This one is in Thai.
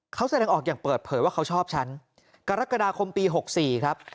เขาแสดงออกอย่างเปิดเผยว่าเขาชอบฉันกรกฎาคมปี๖๔ครับ